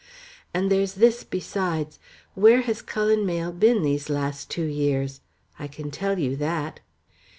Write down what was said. And there's this besides. Where has Cullen Mayle been these last two years? I can tell you that."